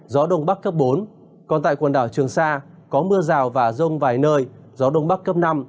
gió đông bắc cấp bốn còn tại quần đảo trường sa có mưa rào và rông vài nơi gió đông bắc cấp năm